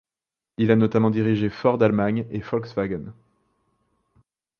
Il a notamment dirigé Ford Allemagne et Volkswagen.